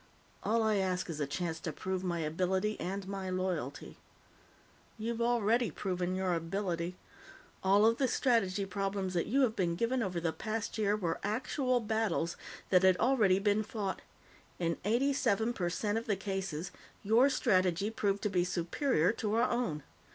"All I ask is a chance to prove my ability and my loyalty." "You've already proven your ability. All of the strategy problems that you have been given over the past year were actual battles that had already been fought. In eighty seven per cent of the cases, your strategy proved to be superior to our own.